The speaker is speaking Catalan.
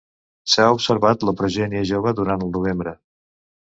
S'ha observat la progènie jove durant el novembre.